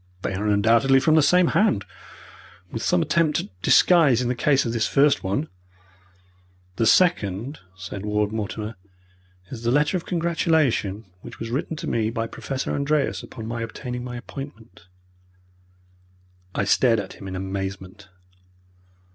"They are undoubtedly from the same hand with some attempt at disguise in the case of this first one." "The second," said Ward Mortimer, "is the letter of congratulation which was written to me by Professor Andreas upon my obtaining my appointment." I stared at him in amazement.